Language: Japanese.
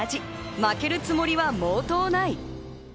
負けるつもりは毛頭ない。